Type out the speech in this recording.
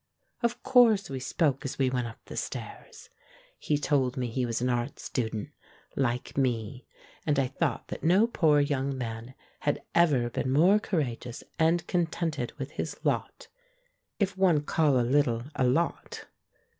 Of course we spoke as we went up the stairs. He told me he was an art student, like me, and I 206 THE MAN WHO UNDERSTOOD WOMEN thought that no poor young man had ever been more courageous and contented with his lot — if one call a little a "lot."